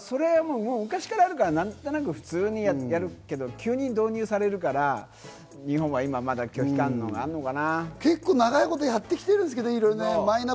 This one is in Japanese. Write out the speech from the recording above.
それは昔からあるから、普通にやるけど急に導入されるから日本は今、拒否感があるのかな？